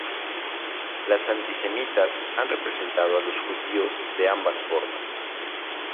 Los antisemitas han representado a los judíos de ambas formas.